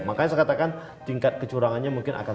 makanya saya katakan tingkat kecurangannya mungkin akan